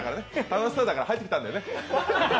楽しそうだから入ってきたんだよね。